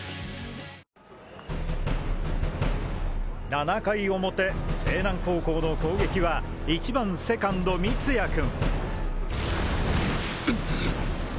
７回表勢南高校の攻撃は１番セカンド三矢君。